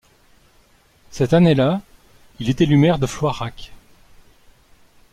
Cette année-là, il est élu maire de Floirac.